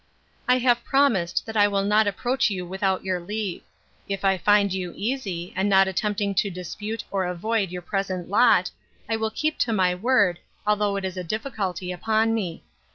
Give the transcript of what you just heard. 'I have promised, that I will not approach you without your leave. If I find you easy, and not attempting to dispute or avoid your present lot, I will keep to my word, although it is a difficulty upon me.